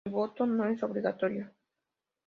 El voto no es obligatorio.